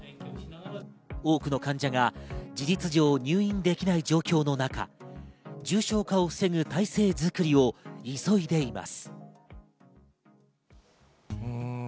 多くの患者が事実上入院できない状況の中、重症化を防ぐ体制づくりを急いでいます。